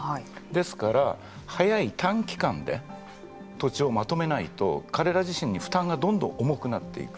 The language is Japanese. ですから、早い短期間で土地をまとめないと彼ら自身の負担がどんどん重くなっていく。